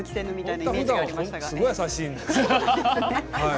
ふだんはすごく優しい人なんですよ。